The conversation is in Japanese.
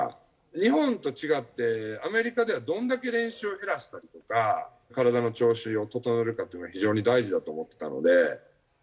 日本と違って、アメリカではどんだけ練習減らしたりとか、体の調子を整えるかっていうのが非常に大事だと思ってたので。